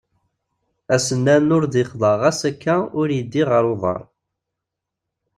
Asennan ur d ixḍa ɣas akka ur yi-iddi ɣer uḍar.